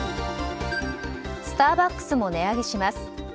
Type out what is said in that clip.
スターバックスも値上げします。